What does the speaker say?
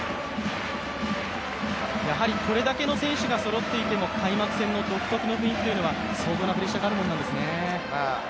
やはりこれだけの選手がそろっていても開幕戦の独特の雰囲気というのは相当なプレッシャーがあるもんなんですね。